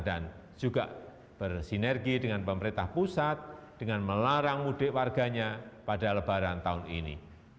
dan juga bersinergi dengan pemerintah pusat dengan melarang mudik warganya pada lebaran tahun ini